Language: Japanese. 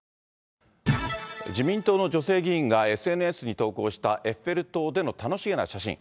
自民党の女性議員がＳＮＳに投稿した、エッフェル塔での楽しげな写真。